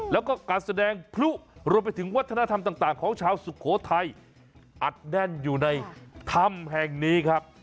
แล้วก็การแสดงพลุรวมไปถึงวัฒนธรรมต่างของชาวสุโขทัยอัดแน่นอยู่ในถ้ำแห่งนี้ครับ